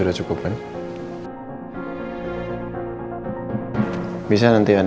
ada lebih yang bisa kita cari